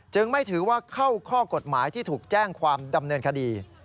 ไม่ถือว่าเข้าข้อกฎหมายที่ถูกแจ้งความดำเนินคดี